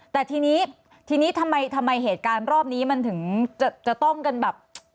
แต่ทีนี้ทีนี้ทำไมเหตุการณ์รอบนี้มันถึงจะต้องกันแบบ